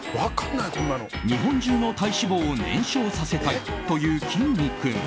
日本中の体脂肪を燃焼させたいというきんに君。